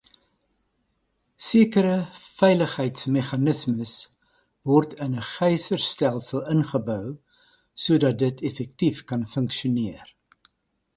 Sekere veiligheidsmeganismes word in 'n geiserstelsel ingebou sodat dit effektief kan funksioneer.